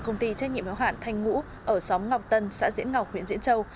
công ty trách nhiệm hiệu hạn thanh ngũ ở xóm ngọc tân xã diễn ngọc huyện diễn châu